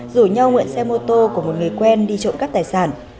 rủ nhau nguyện xe mô tô của một người quen đi trộm cắt tài sản